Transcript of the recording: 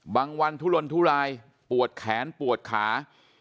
วันทุลนทุลายปวดแขนปวดขา